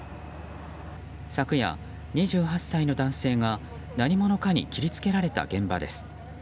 昨夜、２８歳の男性が何者かに切り付けられた現場です。